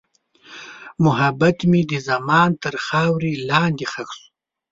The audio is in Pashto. محبت مې د زمان تر خاورې لاندې ښخ شو.